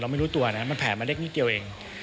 ไม่รู้ตัวนะมันแผลมาเล็กนิดเดียวเอง